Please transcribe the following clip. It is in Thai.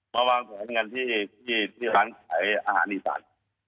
มาหาตัวแอ๋มให้งานที่ว้างแต่ล้างขายอาหารอีสาน